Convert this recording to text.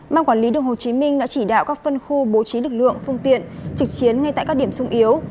ban quản lý đường hồ chí minh đã chỉ đạo các phân khu bố trí lực lượng phương tiện trực chiến ngay tại các điểm sung yếu